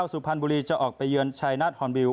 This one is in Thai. สุพรรณบุรีจะออกไปเยือนชัยนาฏฮอนวิว